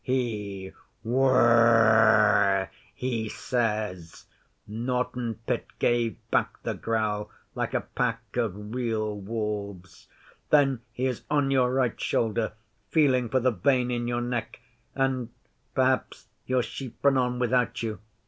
he "Wurr aarh!" he says.' (Norton Pit gave back the growl like a pack of real wolves.) 'Then he is on your right shoulder feeling for the vein in your neck, and perhaps your sheep run on without you.